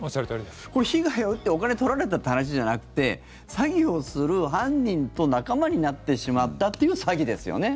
これ、被害を受けてお金を取られたって話じゃなくて詐欺をする犯人と仲間になってしまったという詐欺ですよね？